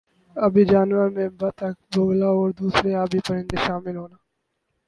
آبی جانور میں بطخ بگلا اور دُوسْرا آبی پرندہ شامل ہونا